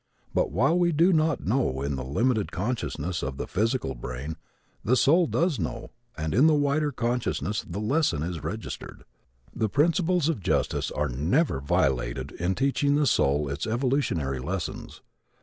But while we do not know in the limited consciousness of the physical brain the soul does know and in the wider consciousness the lesson is registered. The principles of justice are never violated in teaching the soul its evolutionary lessons.